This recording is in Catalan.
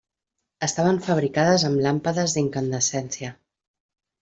Estaven fabricades amb làmpades d'incandescència.